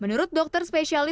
menurut dokter spesialis